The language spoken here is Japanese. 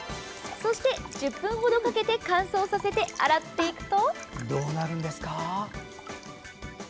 そして１０分程かけて乾燥させて、洗っていくと。